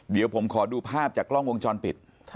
เดี๋ยวผมขอดูภาพจากกล้องวงจรปิด